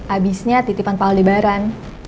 abisnya titipan pak aldebaran